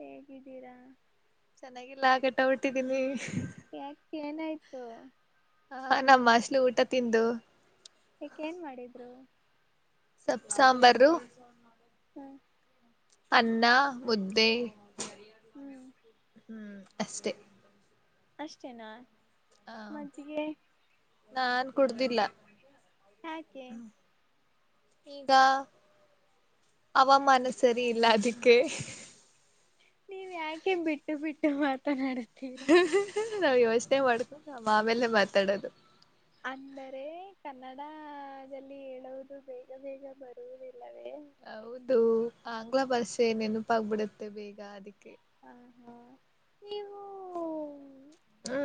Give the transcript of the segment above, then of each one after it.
ಹೇಗಿದಿರಾ. ಚೆನ್ನಾಗಿಲ್ಲ ಕೆಟ್ಟೋಬಿಟ್ಟಿದ್ದೀನಿ. ಹ ನಮ್ಮಾಸ್ಲು ಊಟ ತಿಂದು. ಸಪ್ ಸಾಂಬಾರು. [inaudible] ಅನ್ನ ಮುದ್ದೆ. ಹ್ಮ್ [unintelligible] ಹ್ಞ ಅಷ್ಟೇ ಅಷ್ಟೇನಾ [inaudible] ಹಾ ನಾನ್ ಕುಡ್ದಿಲ್ಲ ಈಗ ಅವಮಾನ ಸರಿ ಇಲ್ಲ ಅದಿಕ್ಕೆ ನೀವ್ ಯಾಕೆ ಬಿಟ್ಟ ನಾವ್ ಇವತ್ [unintelligible] [unintelligible] ಮಾಡ್ಕೊಂಡು ನ ಆಮೇಲೆ ಮಾತಾಡೋದು ಅಂದರೆ ಕನ್ನಡದಲ್ಲಿ ಹೇಳುವುದು ಬೇಗ ಬೇಗ ಬರುವುದಿಲ್ಲ ಹೌದು ಆಂಗ್ಲ ಭಾಷೆ ನೆನಪಾಗಗ್ಬಿಡುತ್ತೆ ಬೇಗ ಅದಕ್ಕೆ ಹಾ ಹಾ [inaudible] ನೀವು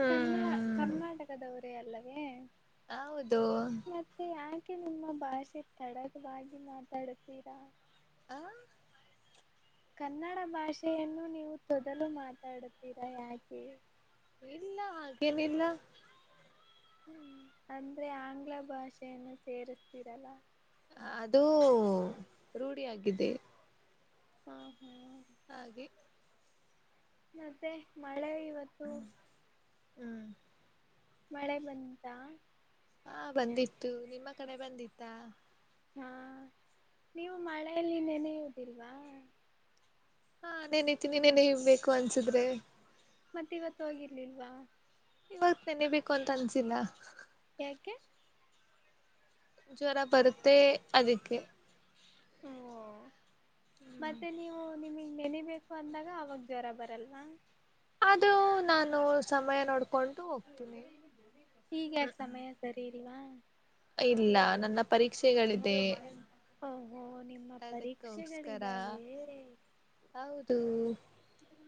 ಕನ್ನ ಕರ್ನಾಟಕದವರೇ ಅಲ್ಲಾ ಮತ್ತೆ ಯಾಕೆ ನಿಮ್ಮ ಭಾಷೆ ತಡದ್ವಾಗಿ ಮಾತಾಡ್ತೀರಾ ಅ ಕನ್ನಡ ಭಾಷೆಯನ್ನು ನೀವು ತೊದಲು ಮಾತಾಡುತ್ತೀರಾ ಯಾಕೆ ಇಲ್ಲ ಅಂದ್ರೆ ಆಂಗ್ಲ ಭಾಷೆಯನ್ನು ಸೇರುಸ್ತೀರಲ್ಲ ಹು ರೂಡಿಯಾಗಿದೆ ಹ್ಮ ಹ್ಮ್ ಹಾಗೆ [unintelligible] ಹ್ಮ ಹ್ಮ್ [inaudible] ಮಳೆ ಬಂದಿತ್ತಾ ಹಾ ಬಂದಿತ್ತು ನಿಮ್ಮ ಕಡೆ ಬಂದಿತ್ತಾ ಹಾ ನೀವು ಮಳೆಯಲ್ಲಿ ನೆನೆಯುವುದಿಲ್ವಾ ಹಾ ನೆನಿತೀನಿ ನೆನಿ ಯುವ್ [unintelligible] ಬೇಕು ಅನ್ಸಿದ್ರೆ ಮತ್ ಇವತ್ ಹೋಗಿರ್ಲಿಲ್ವ ಇವತ್ ನೆನಿಬೇಕು ಅಂತ ಅನ್ಸಿಲ್ಲ ಯಾಕೆ ಜೋರ ಬರುತ್ತೆ ಅದಿಕ್ಕೆ ಹ ಹೊ [inaudible] ಮತ್ತೆ ನೀವು ನಿಮಗ್ ನೆನಿಬೇಕು ಅಂದಾಗ ಅವಾಗ ಜ್ವರ ಬರಲ್ವಾ ಅದು ನಾನು ಸಮಯ ನೋಡ್ಕೊಂಡು ಹೋಗ್ತೀನಿ ಹೀಗ್ ಯಾಕ್ ಸಮಯ ಸರಿ ಇಲ್ವಾ ಇಲ್ಲ ನನ್ನ ಪರೀಕ್ಷೆಗಳಿದೆ ಓಹೋ ನಿಮ್ಮ ಪರೀಕ್ಷೆಗಳಿದಾವೆ ಹು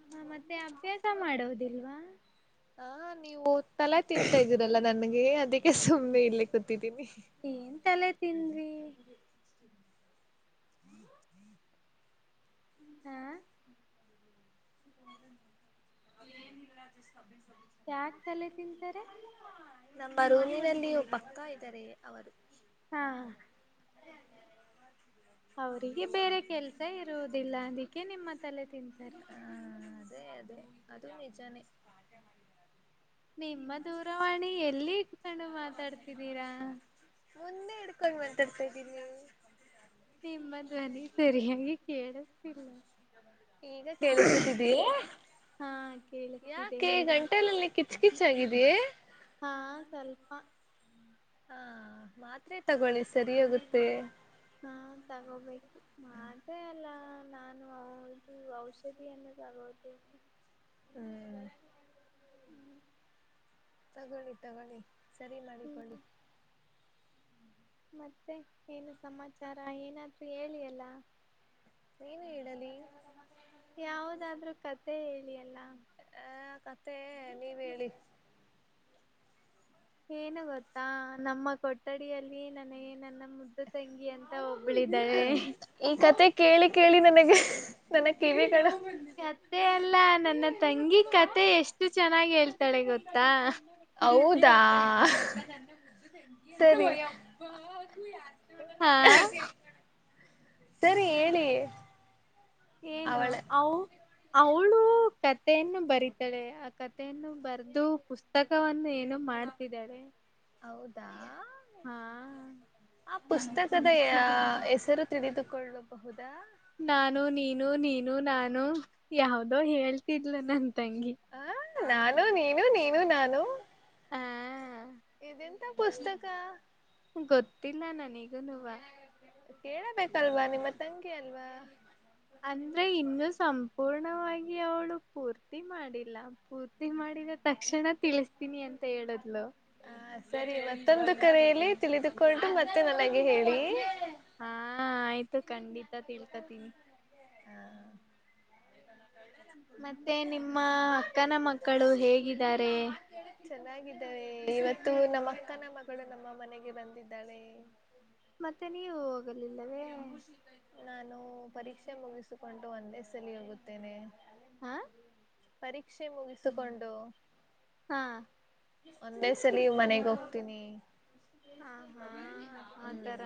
ಹಾ ಮತ್ತೆ ಅಭ್ಯಾಸ ಮಾಡೋದಿಲ್ವಾ ಹಾ ನೀವು ತಲೆ ತಿಂತಾ ಇದೀರಲ್ಲ ನನ್ ನಗೆ [unintelligible] ಅದಕ್ಕೆ ಸುಮ್ಮನೆ ಇಲ್ಲೇ ಕೂತಿದ್ದೀನಿ ಏನ್ ತಲೆ ತಿಂದ್ರಿ [inaudible] ಹಾ [unintelligible] [unintelligible] ನನ್ನ ರೂಮಿನಲ್ಲಿ ಒಬ್ಬ ಅಕ್ಕ ಇದ್ [unintelligible] ಇದ್ದರೆ ಅವರು [unintelligible] ಹಾ ಅವ್ರಿಗೆ ಬೇರೆ ಕೆಲ್ಸ ಇರುವುದಿಲ್ಲ ಅದಕ್ಕೆ ನಿಮ್ಮ ತಲೆ ತಿಂತಾರೆ ಹ ಅದೇ ಅದೇ ಅದು ನಿಜಾನೆ ನಿಮ್ಮ ದೂರವಾಣಿ ಎಲ್ಲಿ ಇಟ್ಕೊಂಡು ಮಾತಾಡ್ತಿದ್ದೀರಾ ಮುಂದೆ ಹಿಡುಕೊಂಡು ಮಾತಾಡ್ತಾ ಇದೀನಿ ನಿಮ್ಮ ಧ್ವನಿ ಸರಿಯಾಗಿ ಕೇಳತಿಲ್ಲ [inaudible] ಕೇಳಿಸುತ್ತಿದೆ [unintelligible] ಕಿಚ್ ಕಿಚ್ ಆಗಿದೆ ಹಾ ಸ್ವಲ್ಪ ಹಾ ಮಾತ್ರೇ ತಗೋಳ್ಳಿ ಸರಿ ಹೋಗುತ್ತೆ ಹಾ ತಗೋಬೇಕು ಮಾತ್ರೆ ಅಲ್ಲ ನಾನು ಔಷ ಇದು ಔಷಧಿಯನ್ನು ತಗೋತೀನಿ ಹ್ಮ್ [unintelligible] ಹ್ಮ್ [inaudible] ತಗೊಳ್ಳಿ ತಗೊಳ್ಳಿ ಸರಿ ಮಾಡಿಕೊಳ್ಳಿ ಮತ್ತೆ ಏನು ಸಮಾಚಾರ ಏನಾದ್ರೂ ಹೇಳಿಯಲ್ಲ ಯಾವದಾದ್ರರು ಕತೆೆ ಹೇಳಿಯಲ್ಲ. ಈ ಕತೆ ಕೇಳಿ ಕೇಳಿ ನನಗೆ ಹ್ಮ. ಕತೆ ಅಲ್ಲ ನನ್ನ ತಂಗಿ ಕತೆ ಎಷ್ಟು ಚೆನ್ನಾಗಿ ಹೇಳ್ತಾಳೆ ಗೊತ್ತಾ. ಆ ಹಾ. ಹಾ ಸರಿ ಹೇಳಿ. ಏನು ಅವ ಅವಳು ಕತೆಯನ್ನು ಬರಿತಾಳೆ ಆ ಕತೆಯನ್ನು ಬರೆದು ಪುಸ್ತಕವನ್ನು ಏನು ಮಾಡ್ತಿದ್ದಾಳೆ. ಹೌದಾ ಆ ಪುಸ್ತಕದ. ಹ ಹೆಸರು ತಿಳಿದುಕೊಳ್ಳಬಹು ನಾನು ನೀನು ನೀನು ನಾನು ಯಾವ್ದೋ ಹೇಳ್ತಿದ್ಲು ನನ್ ತಂಗಿ. ನಾನು ನೀನು ನೀನು ನಾನು. ಇದೆಂತ ಪುಸ್ತಕ. ಗೊತ್ತಿಲ್ಲ ನ [inaudible] ಕೇಳಬೇಕಲ್ವಾ ನಿಮ್ಮ ತಂಗಿ ಅಲ್ವಾ. ಅಂದ್ರೆ ಇನ್ನು ಸಂಪೂರ್ಣವಾಗಿ ಅವಳು ಪೂರ್ತಿ ಮಾಡಿಲ್ಲ ಪೂರ್ತಿ ಮಾಡಿದ ತಕ್ಷಣ ತಿಳಿಸ್ತೀನಿ ಅಂತ ಹೇಳಿದ್ಲು. ಹ ಸರಿ ಮತ್ತೊಂದು ಕರೆ. ಇಲ್ಲಿ ತಿಳಿದುಕೊಂಡು ಮತ್ತೆ ನನಗೆ ಹೇಳಿ. ಹಾ ಆಯ್ತು ಖಂಡಿ [inaudible] ಹಾ ಮತ್ತೆ ನಿಮ್ಮ ಅಕ್ಕನ ಮಕ್ಕಳು ಹೇಗಿದ್ದಾರೆ. ತ್ತು ನಮ್ಮ ಅಕ್ಕನ ಮಗಳು ನಮ್ಮ ಮನೆಗೆ ಬಂದಿದ್ದಾಳೆ. ಮತ್ತೆ ನೀವು ಹೋಗಲಿಲ್ಲವೇ. ನಾನು ಪರೀಕ್ಷೆ ಮುಗಿಸಿಕೊಂಡು ಒಂದೇ ಸಲಿ ಹೋಗುತ್ತೆ ತ್ತನೇ. ಹಾ ಪರೀಕ್ಷೆ ಮುಗಿಸಿಕೊಂಡು. ಒಂದೇ ಸಲಿ ಮನೆಗೊ ತ್ತಿನಿ. ಹ ಹಾ ಆ ತರ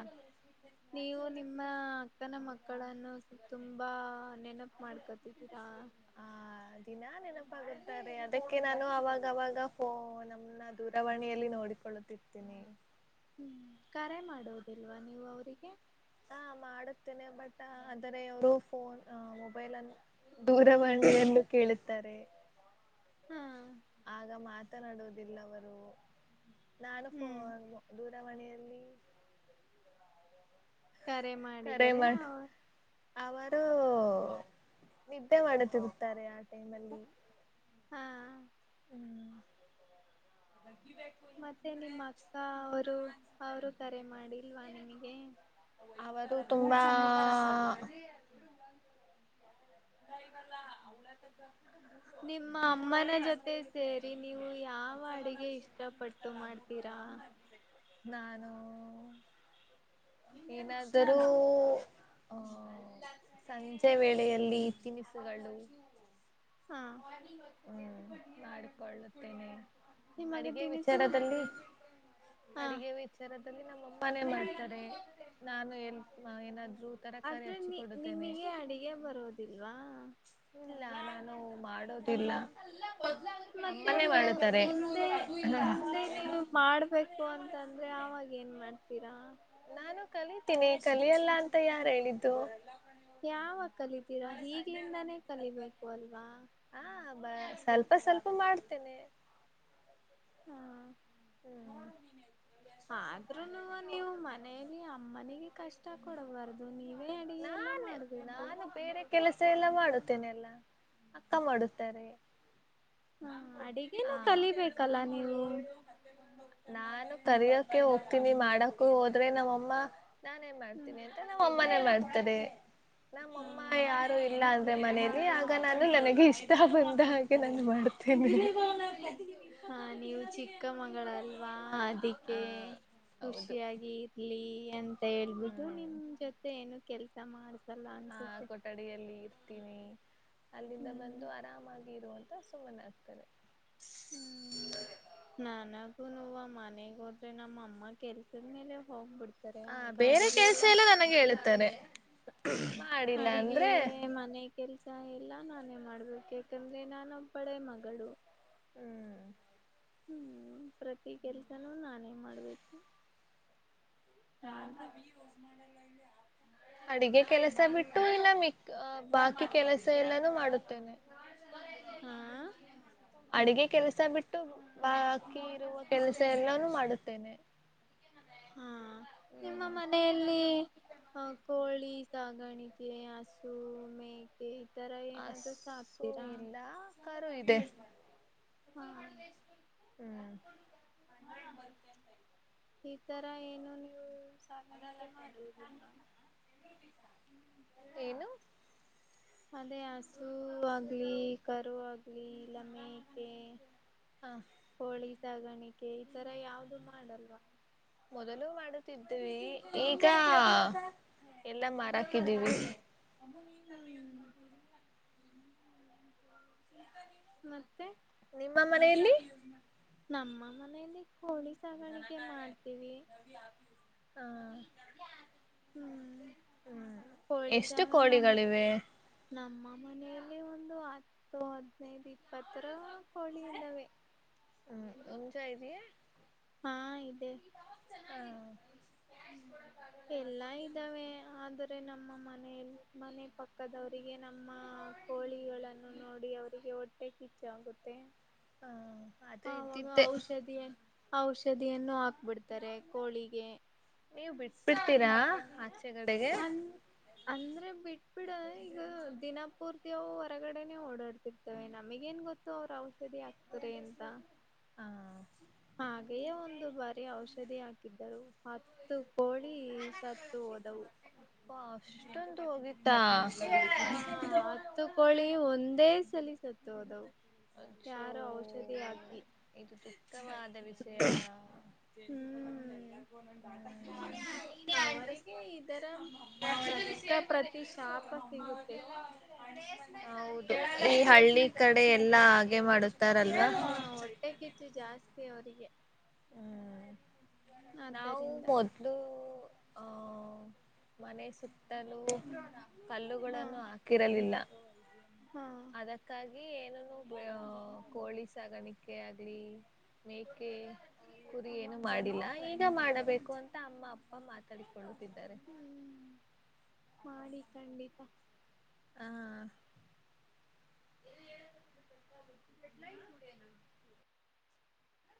ನೀವು ನಿಮ್ಮ ಅಕ್ಕನ ಮಕ್ಕಳನ್ನು ತುಂಬಾ ನೆನಪ ಮಾಡ್ಕತಿದ್ದೀರಾ ನೇನಪಾಗಾರೆ ಅದಕ್ಕೆ ನಾನು ಅವಾಗವಾಗ ಫೋನ್ ನಮ್ಮ ದೂರವಾಣಿಯಲ್ಲಿ ನೋಡಿಕೊಳ್ಳುತ್ತಿರ್ತೀನಿ ಹ್ಮ್ ಕರೆ ಮಾಡುವುದಿಲ್ವಾ ನೀವು ಅವರಿಗೆ ಹ ಮಾಡುತ್ತೇನೆ ಬಟ್ ಅದರ ಇವರು ಫೋನ್ ಮೊಬೈಲ್ ಅನ್ [inaudible] ದೂರವಾಣಿಲ್ಲ ಕೇಳ [unintelligible] ತರ [unintelligible] ಆಗ ಮಾತ್ [inaudible] ಮಾತನಾಡುವುದಿಲ್ಲ ಅವರು ನಾನು ಫೋನ್ [inaudible] ಚಾವಣೆಯಲ್ಲಿ [unintelligible] ಕರೆ ಮಾಡಿದರೆ ಅವರು [inaudible] ಅವರು ನಿದ್ದೆ ಮಾಡತಿರುತ್ತಾರೆ ಟೈಮಲ್ಲಿ ಹಾ [unintelligible] ಅವರು ತುಂಬಾ ಹ [inaudible] ಲ್ಲಲ [unintelligible] ಮತ್ತೇ ಸೇರಿ ನೀವು ಯಾವ ಅಡುಗೆ ಇಷ್ಟಪಟ್ಟು ಮಾಡ್ತೀರಾ ನಾನು ಏನಾದರೂ ಹ ಸೈನ್ಸ್ ಅ [unintelligible] ವೇಳೆಯಲ್ಲಿ ತಿನಿಸುಗಳು [unintelligible] ಹ್ಮ ಮಾಡಿಕೊಳ್ಳುತ್ತೇನೆ ಅಡಿಗೆ ವಿಚಾರದಲ್ಲಿ ಅಡಿಗೆ ವಿಚಾರದಲ್ಲಿ ನಮ್ಮಮ್ಮನೇ ಮಾಡ್ತಾರೆ ನಾನು ಎನು ಹಾಏನಾದ [unintelligible] ಆದ್ರೆ ನಿ ನಿಮೀಗೆ ಅಡಿಗೆ ಬರೋದಿಲ್ವಾ ಮಾಡೋದಿಲ್ಲ ಮತ್ತೆ ಮು ಮುಂದೆ ಮುಂದೆ ನೀವು ಮಾಡ್ಬೇಕು ಅಂತಂದ್ರೆ ಆವಾಗ್ ಏನ್ ಮಾಡ್ತೀರಾ [inaudible] ಕಲಿಯಲ್ಲ ಅಂತ ಯಾರು ಹೇಳಿದ್ದು ಯಾವ ಕಲಿತೀರಾ ಹಗ್ಲಿಂದಾನೇ ಕಲಿಬೇಕು ಅಲ್ವಾ. ಹಾ ಬ ಸ್ವಲ್ಪ ಸ್ವಲ್ಪ ಮಾಡ್ತೇನೆ. ಹಾ ಆದ್ರೂನು ನೀವು ಮನೇಲಿ ಅಮ್ಮನಿಗೆ ಕಷ್ಟ ಕೊಡಬಾರ್ದು ನೀವೇ ಅಡಗೆ ಎಲ್ಲ ಮಾಡ್ಬೇಕು. ಅಕ್ಕ ಮಾಡುತ್ತಾರೆ. ಅಡಿಗೇನು ಕಲಿಬೇಕಲ್ಲ ನೀವು. ನಾನು ತರಿಯೋಕ್ಕೆ ಹೋಗ್ತೀನಿ ಮಾಡಕ್ಕೂ ಹೋದ್ರೆ ನಮ್ಮಮ್ಮ. ನಾನೆನ್ ಮಾಡ್ತೀನಿ ಅಂತ ಅಮಮ್ಮನೇ ಮಾಡ್ತಿ. ತ್ತದೆ. ನಮ್ಮಮ್ಮ ಯಾರು ಇಲ್ಲ ಅ. ಮನೆಲಿ ಆಗ ನಾನು ನನಗೆ ಇಷ್ಟ ಬಂದ ಹಾಗೆ ನಾನು ಮಾಡ. [unintelligible] ಚಿಕ್ಕಮಂಗಳ ಅಲ್ವಾ ಅದಕ್ಕೆ ಖುಷಿಯಾಗಿ ಇರ್ಲಿ. [unintelligible] ಹೇಳ್ಬಿಟ್ಟು ನಿಮ್ ಜೊತೆ ಏನು ಕೆಲ್ಸ ಮಾಡ್ಸಲ್ಲ ಅನ್ಸುತ್ತೆ. [unintelligible] ಅಲ್ಲಿಂದ ಬಂದು ಆರಾಮಾಗಿ ಇರುವ. ತಸು ಮನ ಆಗ್ತದೆ. ಹ್ಮ್ ನನಗು ನು ಮನೆಗೆ ಹೋದ್ರೆ ನಮ್ಮಮ್ಮ. ಕೆಲ್ಸದ ಮೇಲೆ ಹೋಗ್ಬಿಡ್ತಾರೆ ಆಗ ಅಡಿಗೆ ಎಲ್ಲ ಅಡಿಗೆ ಮನೆ ಕೆಲ್ಸ. ಎಲ್ಲಾ ನಾನೇ ಮಾಡ್ಬೇಕು ಯಾಕಂದ್ರೆ ನಾನೊಬ್ಬಳೇ ಮಗಳು. ಹ್ಮ್ ಹ್ಮ್ ಪ್ರತಿ ಕೆಲ್ಸನೂ ನಾನೇ ಮಾಡ್ಬೇಕು. ಯಾರು [unintelligible] ಅಡಗೆ ಕೆಲಸ ಬಿಟ್ಟು ಇಲ್ಲ ಮಿ ಬಾಕಿ ಕೆಲಸ. ಎಲ್ಲಾನೂ ಮಾಡುತ್ತೇನೆ. ಹಾ ಅಡುಗೆ ಕೆಲ್ಸ ಬಿಟ್ಟು. ಬಾಕಿ ಇರುವ ಕೆಲ್ಸ. ತ್ತೆಲ್ಲಾನು ಮಾಡುತ್ತೇನೆ. ಹಾ ನಿಮ್ಮ ಮನೆಯಲ್ಲಿ ಹ ಕೋಳಿ ಸಾಗಾಣಿಕೆ. ಸು ಮೇಕೆ. ಅಸು ಇಲ್ಲ ಕರು ಇದೆ. ಹ [inaudible] ಈ ತರ ಏನು ನೀವು ಸಾಧಣಿಕೆ ಮಾಡುವುದಲ್. ಅದೇ ಹಸು ಆಗ್ಲಿ ಕರುವಾಗ್ಲಿ ಇಲ್ಲ ಮೇಕೆ ಕೋಳಿ ಸಾಗಾಣಿಕೆ ಈ ತರ ಯಾವ್ದು ಮಾಡಲ್ವ. ಮೊದಲು ಮಾಡುತಿದ್ವಿ ಈಗ. ಎಲ್ಲಾ ಮಾರಾಕಿದೀವಿ. ನಿಮ್ಮ ಮನೆಯಲ್ಲಿ. ನಮ್ಮ ಮನೇಲಿ ಕೋಳಿ ಸಾಗಾಣಿಕೆ ಮಾಡ್ತೀವಿ ಹ್ಮ್ ಕೋಳಿ ಸಾಗ ನಮ್. ನಮ್ಮ ಮನೆಯಲ್ಲಿ ಒಂದು ಹತ್ತು ಹದಿನೈದು ಇಪ್ಪತ್ತರ ಕೋಳಿ ಇದ್ದಾವೆ. ಹ್ಮ್ ಹುಂಜ ಇದೆಯೆ. ಹಾ ಇದೆ. ಎಲ್ಲಾ ಇದ್ದಾವೆ ಆದರೆ ನಮ್ಮ ಮನೆಯ ಮನೆ ಪಕ್ಕದವರಿಗೆ ನಮ್ಮ ಕೋಳಿಗಳನ್ನು ನೋಡಿ ಅವರಿಗೆ ಒ ಟ್ಟೆ ಕಿಚ್ಚಾಗುತ್ತೆ. ಹ ಆವಾಗ ಔಷಧಿಯ ಔಷಧಿಯನ್ನು ಹಾಕ್ಬಿಡ್ತಾರೆ ಕೋಳಿಗೆ. ಸಿಕ್ತೀರಾ. ಹನ್ ಅಂದ್ರೆ ಬಿಟ್ ಬಿಡ ಈಗ ದಿನಪೂರ್ತಿವು ಹೊರಗಡೆನೆೇ ಓಡಾಡ್ತಿರ್ತವೆ ನಮಗೇನ್ ಗೊತ್ತು ಅವ್ರ ಔಷ [unintelligible] ಆಗ್ತಾರೆ ಅಂತ. ಹಾಗೆಯೇ ಒಂದು ಬಾರಿ ಔಷಧಿ ಹಾಕಿದ್ದರು ಹತ್ತು ಕೋಳಿ ಸತ್ತು ಹೋದವು. ಅಷ್ಟೊಂದು ಹೋಗಿತ್ತಾ. ಹಾ ಹತ್ತು ಕೋಳಿ ಒಂದೇಸಲಿ ಸತ್ತುಹೊದವು ಯಾರ. ಔಷಧಿಯಾಕಿ. ಅ [inaudible] [inaudible] [inaudible] ಹೌದು. ಈ ಹಳ್ಳಿ ಕಡೆ ಎಲ್ಲಾ ಹಾಗೆ ಮಾಡು ಹಾ ಹೊಟ್ಟೆ ಕಿಚ್ಚು ಜಾಸ್ತಿ ಅವದು [unintelligible] ಹ್ಮ್ ನಾವು ಮೊದ್ಲು. ಹ ಮನೆ ಸುತ್. ಕಲ್ಲು ಕಲ್ಲುಗಳನ್ನು ಹಾಕಿರಲಿಲ್ಲ. ಅದಕ್ಕಾಗಿ‌. [unintelligible] ಏನನ್ನು [unintelligible] ಕೋಳಿ ಸಾಗಾಣಿಕೆ ಆಗ್ಲಿ. ಮೇಕೆ ಕುರಿ ಏನು ಮಾಡಿಲ್ಲ. ಈಗ ಮಾಡಬೇಕು ಅಂತ ಅಮ್ಮ ಅಪ್ಪ ಮಾತಾಡಿಕೊಳ್ಳುತ್ತಿದ್. ಹ್ಮ್ ಮಾಡಿ ಖಂಡಿತ. ಹ [inaudible]